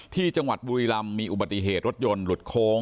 ที่จังหวัดบุรีรำมีอุบัติเหตุรถยนต์หลุดโค้ง